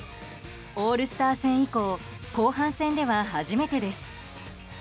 オールスター戦以降後半戦では初めてです。